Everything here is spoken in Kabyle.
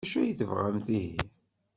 D acu ay tebɣamt ihi?